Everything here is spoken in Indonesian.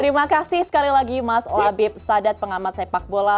terima kasih sekali lagi mas labib sadat pengamat sepak bola